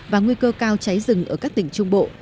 và nguy cơ cao cháy rừng ở các tỉnh trung bộ